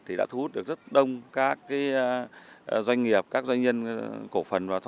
thì đã thu hút được rất đông các doanh nghiệp các doanh nhân cổ phần